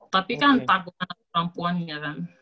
tapi kan takut sama perempuan ya kan